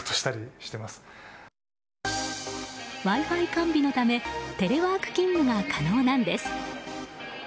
Ｗｉ‐Ｆｉ完備のためテレワーク勤務が可能なんです。